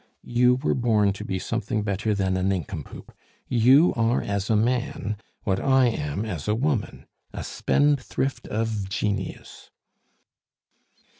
You were born to be something better than a nincompoop; you are as a man what I am as a woman a spendthrift of genius."